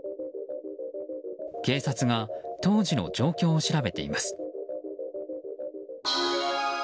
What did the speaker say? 警察が当時の状況を調べています。